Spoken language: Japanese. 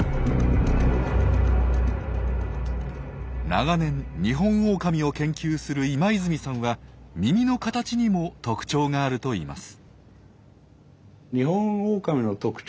長年ニホンオオカミを研究する今泉さんは耳の形にも特徴があるといいます。